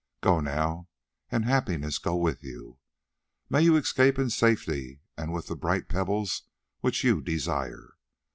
Go now, and happiness go with you. May you escape in safety with the bright pebbles which you desire!